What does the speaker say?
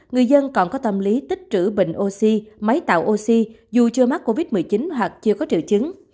người dân còn có tâm lý tích trữ bình oxy máy tạo oxy dù chưa mắc covid một mươi chín hoặc chưa có triệu chứng